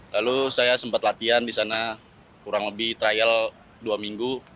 lalu saya sempat latihan di sana kurang lebih trial dua minggu